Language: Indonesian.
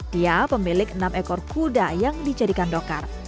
dia pemilik enam ekor kuda yang dijadikan dokar